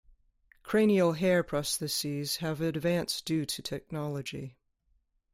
Cranial hair prostheses have advanced due to technology.